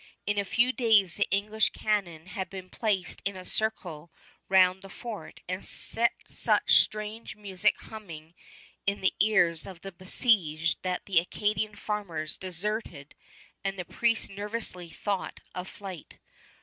In a few days the English cannon had been placed in a circle round the fort, and set such strange music humming in the ears of the besieged that the Acadian farmers deserted and the priest nervously thought of flight.